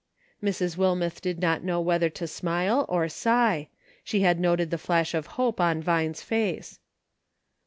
Mrs. Wilmeth did not know whether to smile or sigh ; she had noted the flash of hope on Vine's face.